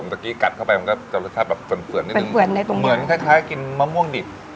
เมื่อกี้กัดเข้าไปมันก็จะรสชาติแบบเฟือนนิดนึงเหมือนคล้ายกินมะม่วงดิบ